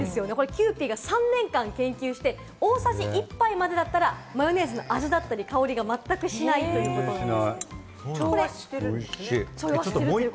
キユーピーが３年間も研究して、大さじ１杯までだったら、マヨネーズの味だったり香りがまったくしないということなんです。